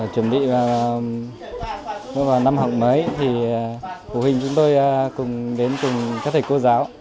chuẩn bị vào năm học mới thì phụ huynh chúng tôi đến cùng các thầy cô giáo